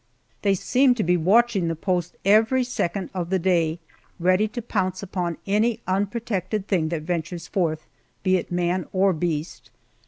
They seem to be watching the post every second of the day, ready to pounce upon any unprotected thing that ventures forth, be it man or beast.